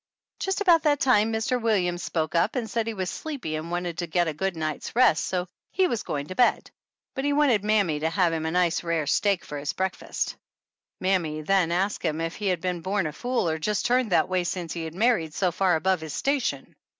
Just about that time Mr. Williams spoke up and said he was sleepy and wanted to get a good night's rest so he was go ing to bed, but he wanted mammy to have him a nice rare steak for his breakfast. Mammy then asked him if he had been born a fool or just turned that way since he had married so far above his station.